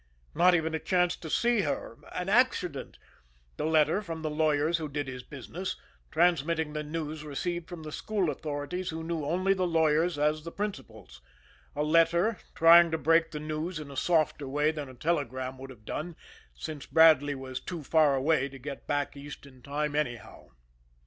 Not even a chance to see her an accident the letter from the lawyers who did his business, transmitting the news received from the school authorities who knew only the lawyers as the principals a letter, trying to break the news in a softer way than a telegram would have done, since Bradley was too far away to get back East in time, anyhow.